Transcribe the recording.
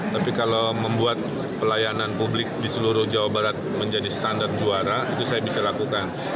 tapi kalau membuat pelayanan publik di seluruh jawa barat menjadi standar juara itu saya bisa lakukan